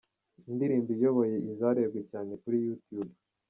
Indirimbo iyoboye izarebwe cyane kuri YouTube.